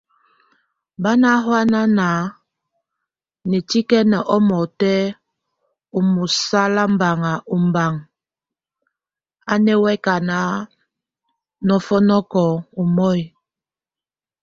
Bá nahuan a nétiken omɔtɛ́ o musálaband ombaŋ, a néwek, a nɔ́fɔnɔ́k omɔy.